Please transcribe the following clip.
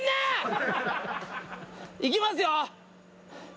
いきますよ。